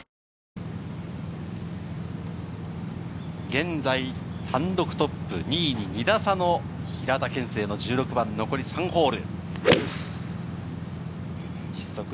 現在単独トップ、２位に２打差の平田憲聖の１６番、残り３ホール。